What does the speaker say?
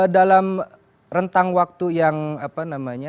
dalam rentang waktu yang apa namanya